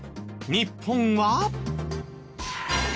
日本は。